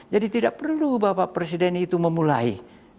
jadi tidak perlu bapak presiden itu memulai